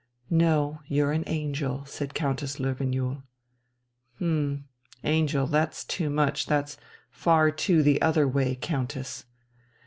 "No, you're an angel," said Countess Löwenjoul. "H'm angel, that's too much, that's too far the other way, Countess...."